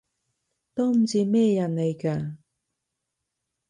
都唔知咩人嚟㗎